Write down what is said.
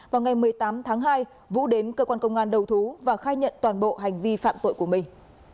vào ngày một mươi tám tháng hai vũ đến cơ quan công an đầu thú và khai nhận toàn bộ hành vi phạm tội của mình